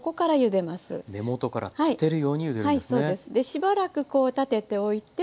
でしばらくこう立てておいて。